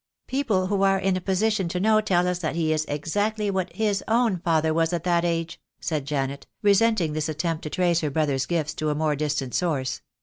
"People who are in a position to know tell us that he is exactly what his own father was at that age," said Janet, resenting this attempt to trace her brother's gifts to a more distant source.